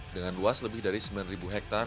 dengan luas lebih dari sembilan ribu hektar